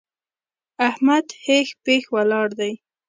احمد هېښ پېښ ولاړ دی!